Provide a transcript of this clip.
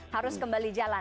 harus kembali jalan